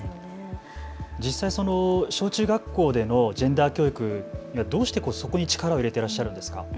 実際、小中学校でのジェンダー教育にはどうしてそこに力を入れていらっしゃるんですか。